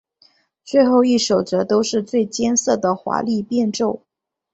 最后一首则都是最艰涩的华丽变奏。